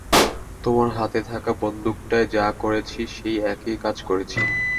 তোমার হাতে থাকা বন্দুকটায় যা করেছি সেই একই কাজ করছি।